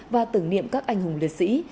và tưởng niệm các anh hùng liệt sĩ